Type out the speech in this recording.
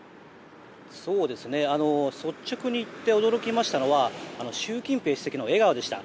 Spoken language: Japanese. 率直に言って驚きましたのは習近平主席の笑顔でした。